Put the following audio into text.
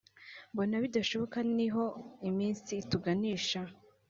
Mbona bidashoboka niho iminsi ituganisha